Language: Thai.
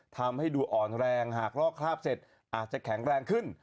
ทำให้ดูอ่อนแรงหากลอกคราบเสร็จอาจจะแข็งแรงขึ้น